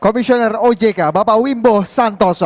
komisioner ojk bapak wimbo santoso